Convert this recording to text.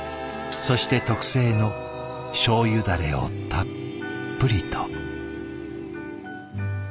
そして特製のしょうゆダレをたっぷりと。